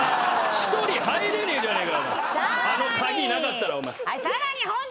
２人入れねえじゃねえか。